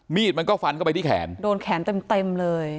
มีดมันก็ฟันเข้าไปที่แขนโดนแขนเต็มเต็มเลย